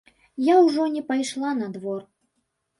Я ўжо не пайшла на двор.